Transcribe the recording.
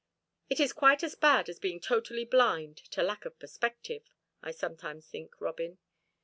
It is quite as bad as being totally blind to lack perspective, I sometimes think, Robin.